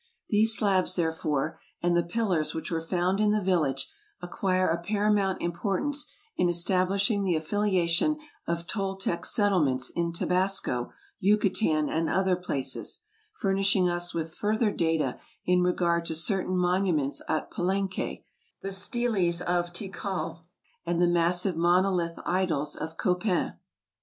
These slabs, therefore, and the pil lars which were found in the village, acquire a paramount importance in establishing the affiliation of Toltec settle ments in Tabasco, Yucatan, and other places, furnishing us with further data in regard to certain monuments at Palenque, the steles of Tikal, and the massive monolith idols of Copan.